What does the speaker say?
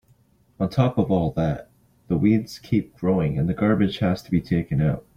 On top of all that, the weeds keep growing and the garbage has to be taken out.